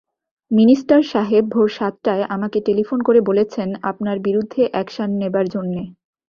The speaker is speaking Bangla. মিনিস্টার সাহেব ভোর সাতটায় আমাকে টেলিফোন করে বলেছেন, আপনার বিরুদ্ধে অ্যাকশান নেবার জন্যে।